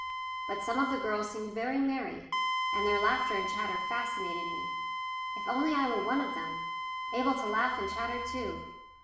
But some of the girls seemed very merry, and their laughter and chatter fascinated me if only I were one of them, able to laugh and chatter too!